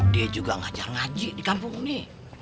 dia juga ngajar ngaji di kampung ini